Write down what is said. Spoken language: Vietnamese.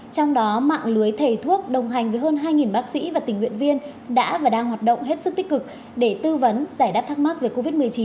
trong đó mạng lưới thầy thuốc đồng hành với hơn hai bác sĩ và tình nguyện viên đã và đang hoạt động hết sức tích cực để tư vấn giải đáp thắc mắc về covid một mươi chín